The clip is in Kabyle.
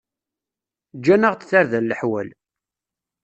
Ǧǧan-aɣ-d tarda n leḥwal.